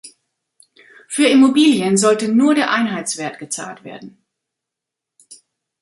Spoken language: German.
Für Immobilien sollte nur der Einheitswert gezahlt werden.